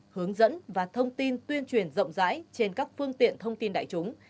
hướng dẫn và thông tin tuyên truyền rộng rãi trên các phương tiện thông tin đại chúng